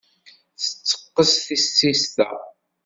Tetteqqes tissist-a?